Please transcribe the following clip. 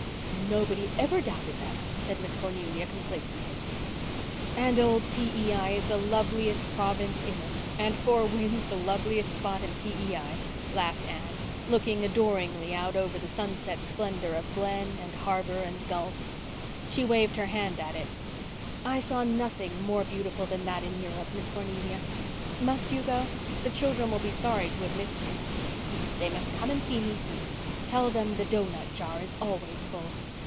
"Nobody ever doubted that," said Miss Cornelia, complacently. "And old P.E.I. is the loveliest province in it and Four Winds the loveliest spot in P.E.I.," laughed Anne, looking adoringly out over the sunset splendour of glen and harbour and gulf. She waved her hand at it. "I saw nothing more beautiful than that in Europe, Miss Cornelia. Must you go? The children will be sorry to have missed you." "They must come and see me soon. Tell them the doughnut jar is always full."